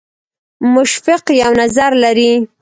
مشفق یو نظر لري.